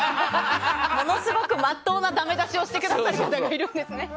ものすごくまっとうなダメ出しをしてくださった方がいたんですね。